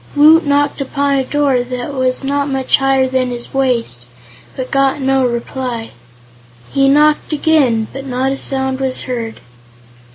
Woot knocked upon a door that was not much higher than his waist, but got no reply. He knocked again, but not a sound was heard.